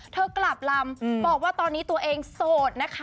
กลับลำบอกว่าตอนนี้ตัวเองโสดนะคะ